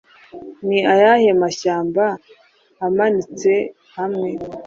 Ni ayahe mashyamba amanitsehamwe